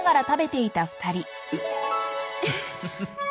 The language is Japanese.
フフフ。